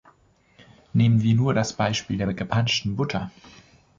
Nehmen wir nur das Beispiel der gepanschten Butter.